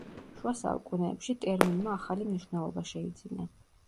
შუა საუკუნეებში ტერმინმა ახალი მნიშვნელობა შეიძინა.